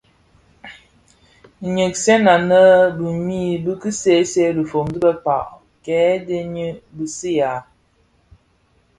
Nghisèn anèn bimid bi ki see see dhifuu di bekpag kè dhëňi bisi a.